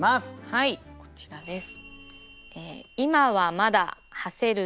はいこちらです。